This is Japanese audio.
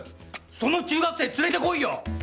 その中学生連れて来いよ！